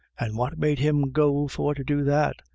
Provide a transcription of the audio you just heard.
" And what made him go for to do that?